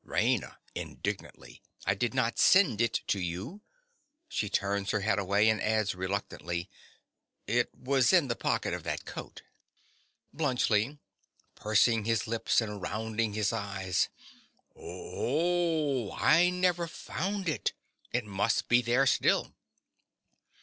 RAINA. (indignantly). I did not send it to you. (She turns her head away, and adds, reluctantly.) It was in the pocket of that coat. BLUNTSCHLI. (pursing his lips and rounding his eyes). Oh o oh! I never found it. It must be there still.